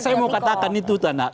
ya saya mau katakan itu tuh anak